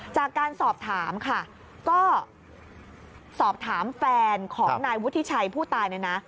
จากการสอบถามค่ะก็สอบถามแฟนของนายวุฒิชัยผู้ตายเนี่ยนะ